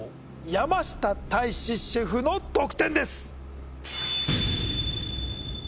山下泰史シェフの得点です